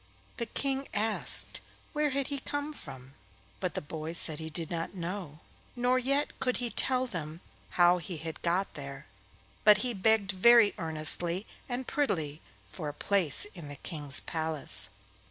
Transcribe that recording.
The King asked where he had come from, but the boy said he did not know, nor yet could he tell them how he had got there, but he begged very earnestly and prettily for a place in the King's palace.